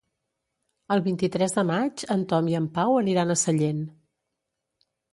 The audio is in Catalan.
El vint-i-tres de maig en Tom i en Pau aniran a Sellent.